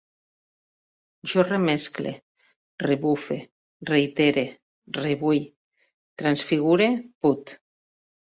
Jo remescle, rebufe, reitere, rebull, transfigure, put